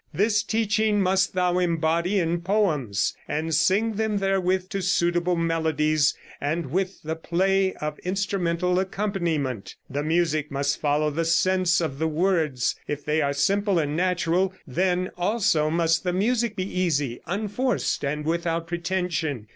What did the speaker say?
This teaching must thou embody in poems, and sing them therewith to suitable melodies and with the play of instrumental accompaniment. The music must follow the sense of the words; if they are simple and natural then also must the music be easy, unforced and without pretension.